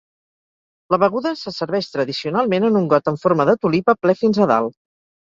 La beguda se serveix tradicionalment en un got en forma de tulipa ple fins a dalt.